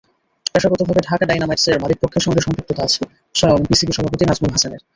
পেশাগতভাবে ঢাকা ডায়নামাইটসের মালিকপক্ষের সঙ্গে সম্পৃক্ততা আছে স্বয়ং বিসিবি সভাপতি নাজমুল হাসানের।